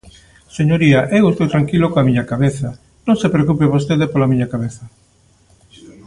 Señoría, eu estou tranquilo coa miña cabeza; non se preocupe vostede pola miña cabeza.